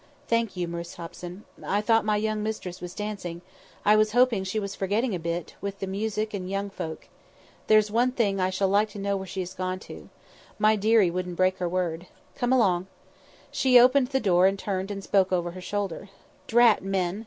"Thank you, Miss Hobson. I thought my young mistress was dancing. I was hoping she was forgetting a bit, with the music and young folk. There's one thing, I shall know where she has gone to. My dearie wouldn't break her word. Come along." She opened the door and turned and spoke over her shoulder. "Drat men!"